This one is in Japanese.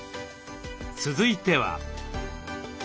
続いては。